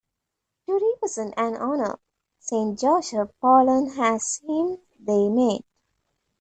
To represent and honor Saint Joseph, Poland has hymns they made.